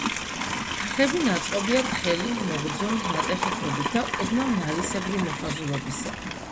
თაღები ნაწყობია თხელი, მოგრძო, ნატეხი ქვებით და ოდნავ ნალისებრი მოხაზულობისაა.